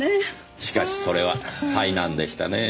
しかしそれは災難でしたねぇ。